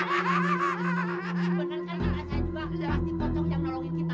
beneran kan kita aja aja bang pasti kocok yang nolongin kita